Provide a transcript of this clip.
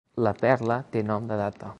La perla té nom de data.